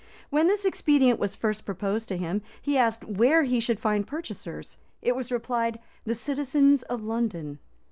When this expedient was first proposed to him, he asked where he should find purchasers. It was replied, the citizens of London.